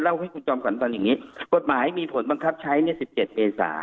เล่าให้คุณจอมก่อนตอนอย่างงี้กฎหมายมีผลบังคับใช้เนี้ยสิบเกียรติเปรย์สา